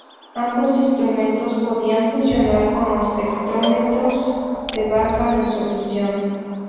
Ambos instrumentos podían funcionar como espectrómetros de baja resolución.